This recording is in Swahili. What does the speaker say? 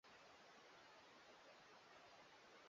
thamani ya viazi huongezeka kwa kuchakata viazi